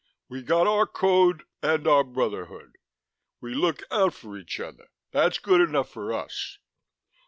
We got our Code and our Brotherhood. We look out for each other; that's good enough for us.